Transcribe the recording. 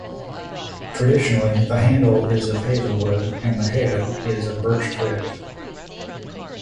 Traditionally the handle is of hazel wood and the head is of birch twigs.